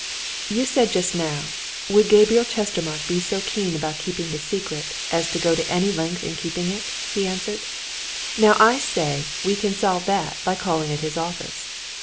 "You said just now would Gabriel Chestermarke be so keen about keeping his secret as to go to any length in keeping it," he answered "Now I say we can solve that by calling at his office.